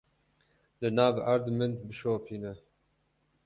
Li nav erd min bişopîne.